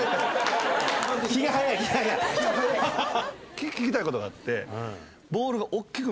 聞きたいことがあって。